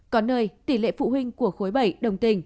có nơi tỷ lệ phụ huynh của khối bảy đồng tình